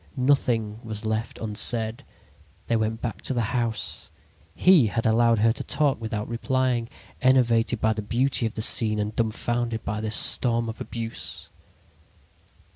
Nothing was left unsaid. They went back to the house. He had allowed her to talk without replying, enervated by the beauty of the scene and dumfounded by this storm of abuse.